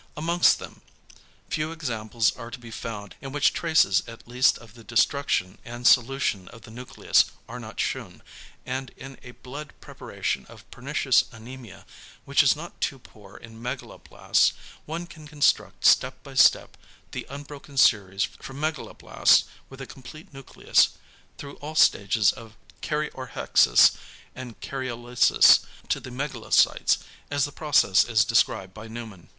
Amongst them, few examples are to be found in which traces at least of the destruction and solution of the nucleus are not shewn, and in a blood preparation of pernicious anæmia, which is not too poor in megaloblasts, one can construct step by step the unbroken series from megaloblasts with a complete nucleus through all stages of Karyorrhexis and Karyolysis to the megalocytes, as the process is described by Neumann.